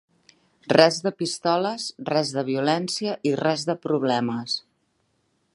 Res de pistoles, res de violència, i res de problemes.